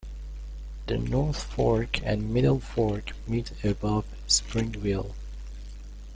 The North Fork and Middle Fork meet above Springville.